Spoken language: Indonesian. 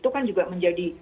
itu juga menjadi